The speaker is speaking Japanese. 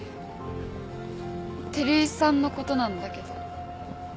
照井さんのことなんだけど。